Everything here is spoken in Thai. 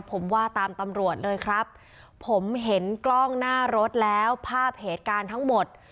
ผมว่าตามตำรวจเลยครับผมเห็นกล้องหน้ารถแล้วภาพเหตุการณ์ทั้งหมด